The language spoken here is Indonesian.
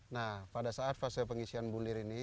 nah pada saat fase pengisian bulir ini